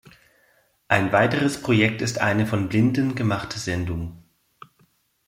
Ein weiteres Projekt ist eine von Blinden gemachte Sendung.